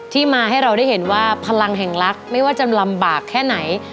มาให้เราได้เห็นว่าพลังแห่งรักไม่ว่าจะลำบากแค่ไหน